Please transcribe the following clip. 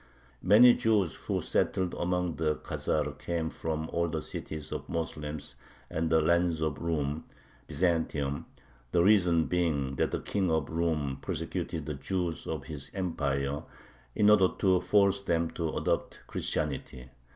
Many Jews who settled among the Khazars came from all the cities of the Moslems and the lands of Rum (Byzantium), the reason being that the king of Rum persecuted the Jews of his empire in order to force them to adopt Christianity....